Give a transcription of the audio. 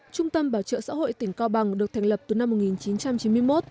trung tâm bảo trợ xã hội tỉnh cao bằng được thành lập từ năm một nghìn chín trăm chín mươi một